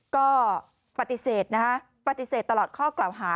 ก็ปฏิเสธนะฮะปฏิเสธตลอดข้อกล่าวหา